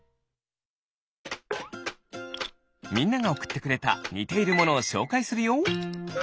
みんながおくってくれたにているものをしょうかいするよ。